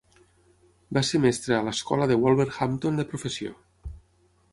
Va ser mestre a l'escola de Wolverhampton de professió.